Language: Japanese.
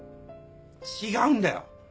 違うんだよ。